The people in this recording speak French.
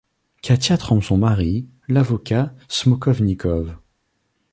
Katia trompe son mari, l'avocat Smokovnikov.